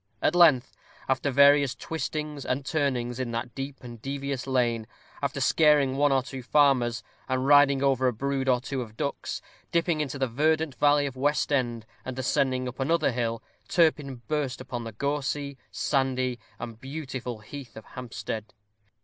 At length, after various twistings and turnings in that deep and devious lane; after scaring one or two farmers, and riding over a brood or two of ducks; dipping into the verdant valley of West End, and ascending another hill, Turpin burst upon the gorsy, sandy, and beautiful heath of Hampstead.